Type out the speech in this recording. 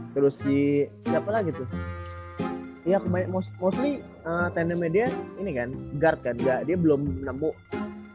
terus si siapa lagi tuh ya kebanyakan mostly tandemnya dia ini kan guard kan dia belum menemukan